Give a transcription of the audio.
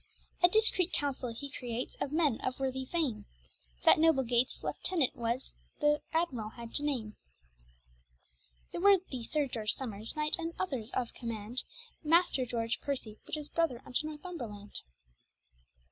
A discreet counsell he creates of men of worthy fame, That noble Gates leiftenant was the admirall had to name. The worthy Sir George Somers knight, and others of commaund; Maister Georg Pearcy, which is brother unto Northumberland.